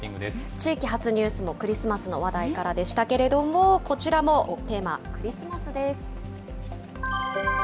地域発ニュースもクリスマスの話題からでしたけれども、こちらもテーマはクリスマスです。